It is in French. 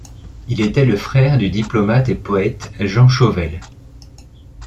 Il était le frère du diplomate et poète Jean Chauvel.